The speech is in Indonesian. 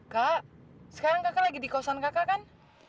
kak sekarang kakak lagi di kosan kakak kan